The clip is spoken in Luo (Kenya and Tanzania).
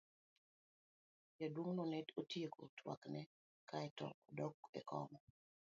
Jaduong'no ne otieko twakne kae to odok e kom.